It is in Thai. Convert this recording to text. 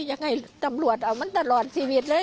ยังไงตำรวจเอามันตลอดชีวิตเลย